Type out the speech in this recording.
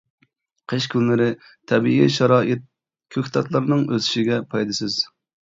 قىش كۈنلىرى تەبىئىي شارائىت كۆكتاتلارنىڭ ئۆسۈشىگە پايدىسىز.